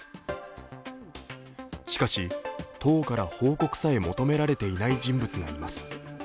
しかし、党から報告さえ求められていない人物がいます。